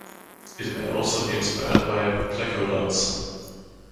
It may also be inspired by placodonts.